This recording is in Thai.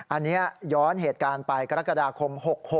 อันนี้ย้อนเหตุการณ์ไปกรกฎาคม๖๖